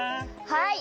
はい。